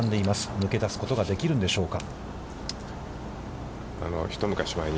抜け出すことができるんでしょうか。